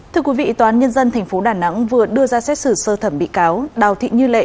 thưa quý vị tòa án nhân dân tp đà nẵng vừa đưa ra xét xử sơ thẩm bị cáo đào thị như lệ